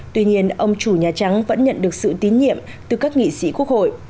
tuy nhiên ông chủ nhà trắng vẫn nhận được sự tín nhiệm từ các nghị sĩ quốc hội